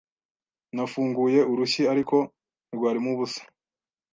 Nafunguye urushyi, ariko rwarimo ubusa.